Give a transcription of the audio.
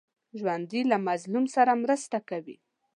ژوندي له مظلوم سره مرسته کوي